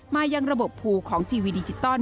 มายังระบบภูของทีวีดิจิตอล